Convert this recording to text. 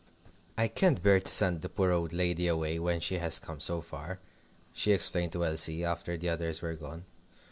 "I can't bear to send the poor old lady away when she has come so far," she explained to Elsie, after the others were gone.